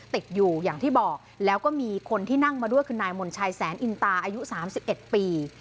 ติดอยู่อย่างที่บอกแล้วก็มีคนที่นั่งมาด้วยคือนายมนชัยแสนอินตาอายุ๓๑ปี